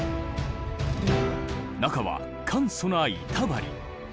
中は簡素な板張り。